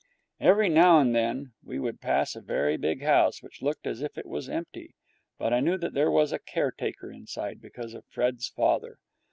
Every now and then we would pass a very big house, which looked as if it was empty, but I knew that there was a caretaker inside, because of Fred's father.